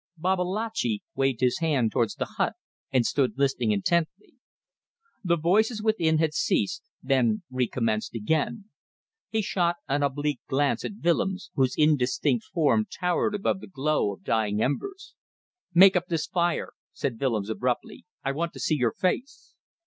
Babalatchi waved his hand towards the hut and stood listening intently. The voices within had ceased, then recommenced again. He shot an oblique glance at Willems, whose indistinct form towered above the glow of dying embers. "Make up this fire," said Willems, abruptly. "I want to see your face."